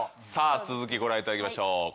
さあ続きご覧いただきましょう。